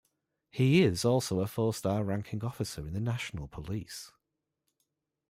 He is also a four-star ranking officer in the National Police.